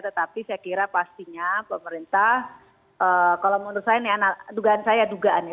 tetapi saya kira pastinya pemerintah kalau menurut saya ini dugaan saya dugaan ya